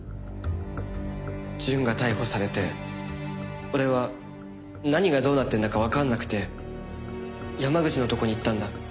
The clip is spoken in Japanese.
淳が逮捕されて俺は何がどうなってるんだかわかんなくて山口のとこに行ったんだ。